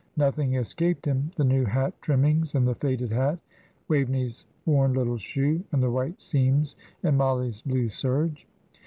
Nothing escaped him the new hat trimmings, and the faded hat; Waveney's worn little shoe, and the white seams in Mollie's blue serge.